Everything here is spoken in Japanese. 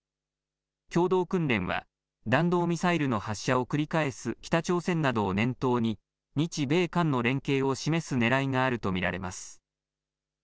共同訓練は弾道ミサイルの発射を繰り返す北朝鮮などを念頭に日米韓の連携を示すねらいがあると見られます。